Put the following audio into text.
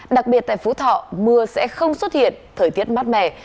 đặc biệt tại phú thọ mưa sẽ không xuất hiện thời tiết mát mẻ